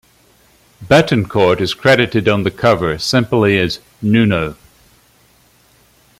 Bettencourt is credited on the cover simply as "Nuno".